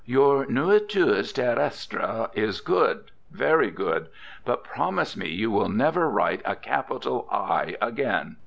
Your Nourritures Terrestres is good, very good, but promise me you will never write a capital "I" again.'